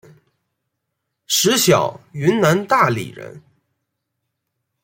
石晓云南大理人。